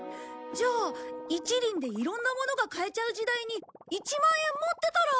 じゃあ１厘でいろんなものが買えちゃう時代に１万円持ってたら。